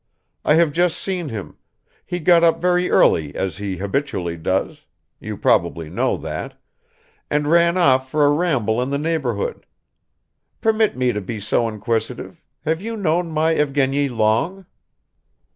I have just seen him; he got up very early as he habitually does you probably know that and ran off for a ramble in the neighborhood. Permit me to be so inquisitive have you known my Evgeny long?"